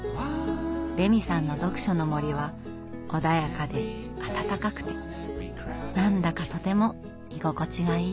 レミさんの読書の森は穏やかで温かくて何だかとても居心地がいい。